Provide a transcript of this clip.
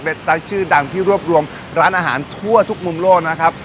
ไซต์ชื่อดังที่รวบรวมร้านอาหารทั่วทุกมุมโลกนะครับ